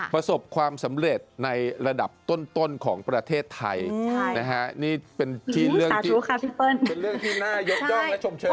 ประสบความสำเร็จในระดับต้นของประเทศไทยนะฮะนี่เป็นเรื่องที่น่ายกย่องและชมเชิง